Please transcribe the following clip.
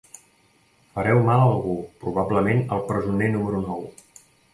Fareu mal a algú, probablement al presoner número nou.